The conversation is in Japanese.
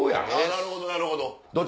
なるほどなるほど。